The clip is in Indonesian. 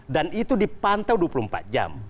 dan itu dipantau dua puluh empat jam